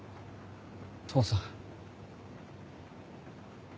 父さん。